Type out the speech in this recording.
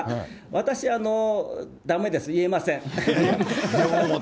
私はだめです、言えません。